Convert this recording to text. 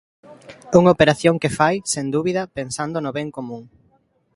Unha operación que fai, sen dúbida, pensando no ben común.